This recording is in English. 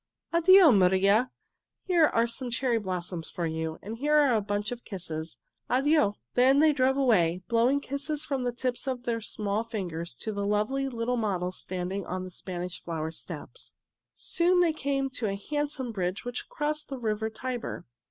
"Addio, Maria! Here are some cherry blossoms for you, and here is a bunch of kisses. Addio!" Then they drove away, blowing kisses from the tips of their small fingers to the lovely little model standing on the Spanish Flower Steps. Soon they came to a handsome bridge which crossed the river Tiber.